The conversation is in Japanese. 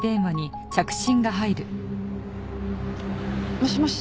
もしもし。